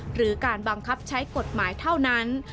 หรือการบังคับใช้กฎหมายเท่านั้น